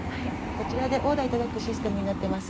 こちらでオーダーいただくシステムになっています。